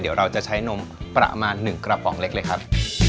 เดี๋ยวเราจะใช้นมประมาณ๑กระป๋องเล็กเลยครับ